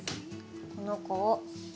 この子を。